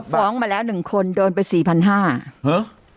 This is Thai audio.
ฟ้องมาแล้ว๑คนโดนไป๔๕๐๐บาท